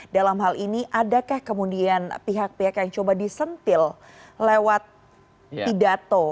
dalam hal ini adakah kemudian pihak pihak yang coba disentil lewat pidato